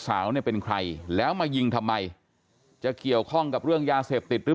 สาวเนี่ยเป็นใครแล้วมายิงทำไมจะเกี่ยวข้องกับเรื่องยาเสพติดหรือ